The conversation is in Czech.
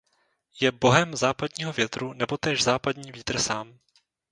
Je bohem západního větru nebo též západní vítr sám.